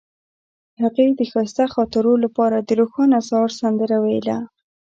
هغې د ښایسته خاطرو لپاره د روښانه سهار سندره ویله.